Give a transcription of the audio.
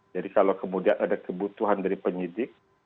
jadi kalau kemudian ada kebutuhan dari penyidik